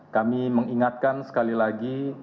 kami mengingatkan sekali lagi